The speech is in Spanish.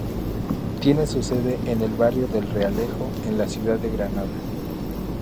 Tiene su sede en el barrio del Realejo, en la ciudad de Granada.